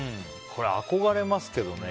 憧れますけどね。